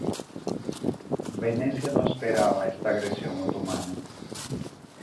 Venecia no esperaba esta agresión otomana.